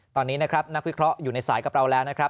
ตอนนี้นะครับนักวิเคราะห์อยู่ในสายกับเราแล้วนะครับ